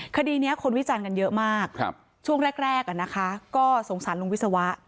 คดีเนี้ยคนวิจารณ์กันเยอะมากครับช่วงแรกแรกอะนะคะก็สงสัยลุงวิศวะ